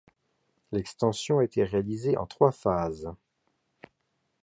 L'extension a été réalisée en trois phases.